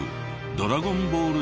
ドラゴンボール